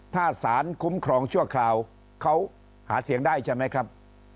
ถ้าสารคุ้มครองชั่วคราวเขาหาเสียงได้ใช่ไหมครับ